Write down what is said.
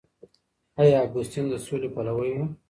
آیا اګوستین د سولي پلوی و؟